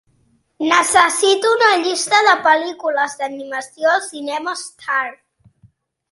Necessito una llista de pel·lícules d'animació al cinema Star